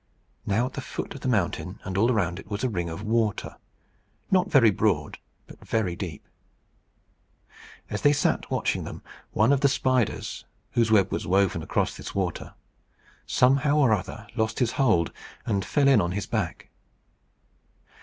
Now, at the foot of the mountain, and all round it, was a ring of water, not very broad, but very deep. As they sat watching them, one of the spiders, whose web was woven across this water, somehow or other lost his hold, and fell in on his back.